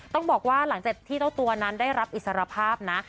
ต้องบอกว่าหลังจากที่เจ้าตัวนั้นได้รับอิสรภาพนะ